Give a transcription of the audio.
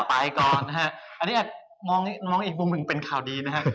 ไปก่อนนะฮะอันนี้อาจมองอีกมุมหนึ่งเป็นข่าวดีนะฮะ